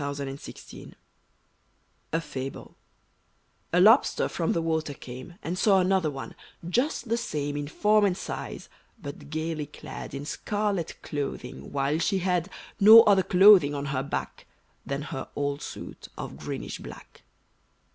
=The Envious Lobster= A FABLE A Lobster from the water came, And saw another, just the same In form and size; but gayly clad In scarlet clothing; while she had No other clothing on her back Than her old suit of greenish black.